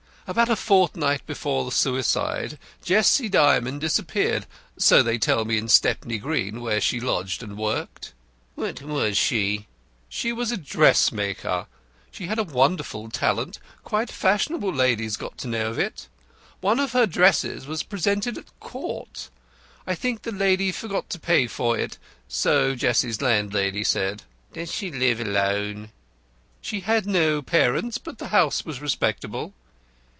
"About a fortnight before the suicide, Jessie Dymond disappeared. So they tell me in Stepney Green, where she lodged and worked." "What was she?" "She was a dressmaker. She had a wonderful talent. Quite fashionable ladies got to know of it. One of her dresses was presented at Court. I think the lady forgot to pay for it; so Jessie's landlady said." "Did she live alone?" "She had no parents, but the house was respectable."